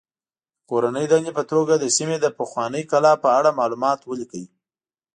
د کورنۍ دندې په توګه د سیمې د پخوانۍ کلا په اړه معلومات ولیکئ.